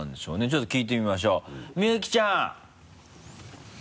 ちょっと聞いてみましょう三由紀ちゃん。